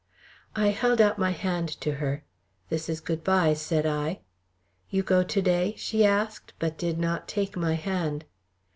I held out my hand to her. "This is good bye," said I. "You go to day?" she asked, but did not take my hand.